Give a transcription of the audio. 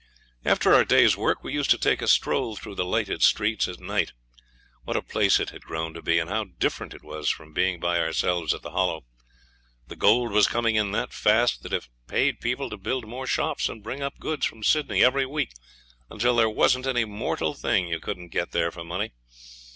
After our day's work we used to take a stroll through the lighted streets at night. What a place it had grown to be, and how different it was from being by ourselves at the Hollow. The gold was coming in that fast that it paid people to build more shops, and bring up goods from Sydney every week, until there wasn't any mortal thing you couldn't get there for money.